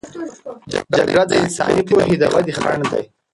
جګړه د انساني پوهې د ودې خنډ دی.